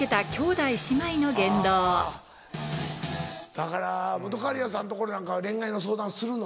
だから本仮屋さんところなんかは恋愛の相談するの？